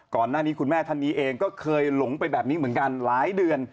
ก่อนหน้านี้คุณแม่ท่านนี้เองก็เคยหลงไปแบบนี้เหมือนกันหลายเดือน